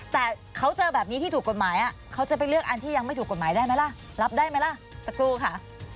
แต่เขาเจอแบบนี้ที่ถูกกฎหมายเขาจะไปเลือกอันที่ยังไม่ถูกกฎหมายได้ไหมล่ะ